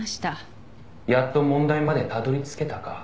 「やっと問題までたどり着けたか」